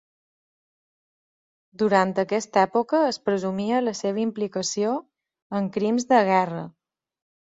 Durant aquesta època es presumia la seva implicació en crims de guerra.